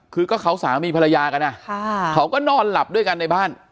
คือก็เขาสามีภรรยากันนะเขาก็นอนหลับด้วยกันในบ้าน